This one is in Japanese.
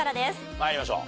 参りましょう。